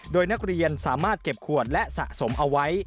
โดยนักเรียนสามารถเก็บขวดและสะสมเอาไว้